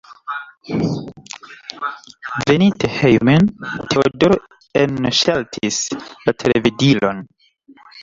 Veninte hejmen, Teodoro enŝaltis la televidilon.